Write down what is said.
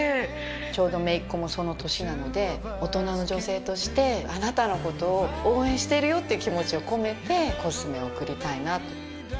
ちょうど姪っ子もその年なので大人の女性としてあなたのことを応援しているよっていう気持ちを込めてコスメをおくりたいなと。